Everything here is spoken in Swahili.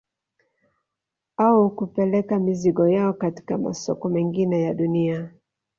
Au kupeleka mizigo yao katika masoko mengine ya dunia